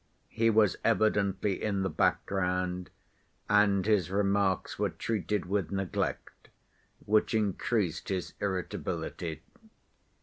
He was evidently in the background, and his remarks were treated with neglect, which increased his irritability.